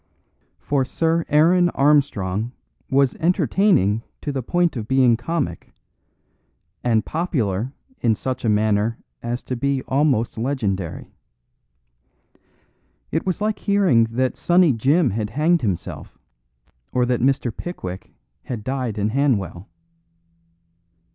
For Sir Aaron Armstrong was entertaining to the point of being comic; and popular in such a manner as to be almost legendary. It was like hearing that Sunny Jim had hanged himself; or that Mr. Pickwick had died in Hanwell.